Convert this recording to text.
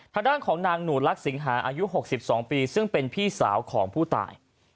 ทะดั้งของนางหนูรักสิงหาอายุหกสิบสองปีซึ่งเป็นพี่สาวของผู้ตาย